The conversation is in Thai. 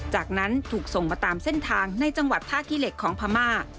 จากนั้นถูกส่งมาตามเส้นทางในจังหวัดท่าขี้เหล็กของพม่า